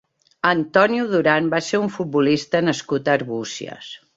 Antonio Durán va ser un futbolista nascut a Arbúcies.